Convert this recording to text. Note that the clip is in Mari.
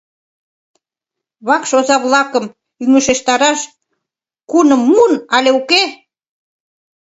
Вакш оза-влакым ӱҥышештараш куным муын але уке?